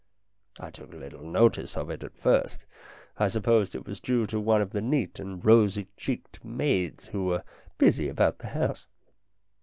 I took little notice of it at first ; I supposed it was due to one of the neat and rosy cheeked maids who were busy about the house.